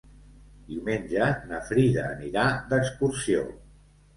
Diumenge na Frida anirà d'excursió.